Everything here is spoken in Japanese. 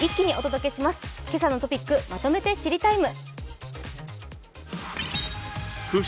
「けさのトピックまとめて知りＴＩＭＥ，」。